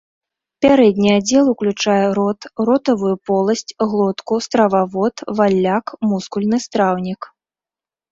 Пярэдні аддзел уключае рот, ротавую поласць, глотку, стрававод, валляк, мускульны страўнік.